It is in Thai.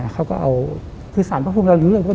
คือสารพระภูมิเรียนเรื่องด้วย